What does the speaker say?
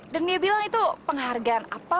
dan dia bilang itu penghargaan apalah